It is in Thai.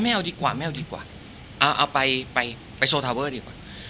เอาดีกว่าไม่เอาดีกว่าเอาไปไปโชว์ทาเวอร์ดีกว่า